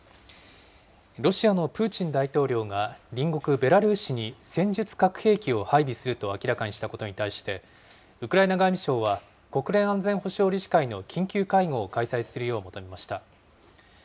ロシアのプーチン大統領が、隣国ベラルーシに戦術核兵器を配備すると明らかにしたことに対して、ウクライナ外務省は、国連安全保障理事会の緊急会合を開催するよう求めました。